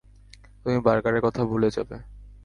তুমি বার্গারের কথা ভুলে যাবে।